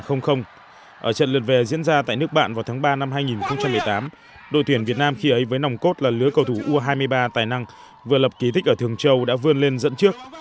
ở trận lượt về diễn ra tại nước bạn vào tháng ba năm hai nghìn một mươi tám đội tuyển việt nam khi ấy với nòng cốt là lứa cầu thủ u hai mươi ba tài năng vừa lập kỳ tích ở thường châu đã vươn lên dẫn trước